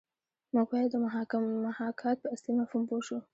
موږ باید د محاکات په اصلي مفهوم پوه شو